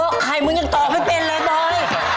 ตกไข่มึงยังตอกไม่เป็นเลยบอย